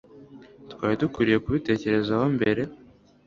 twari dukwiye kubitekereza mbere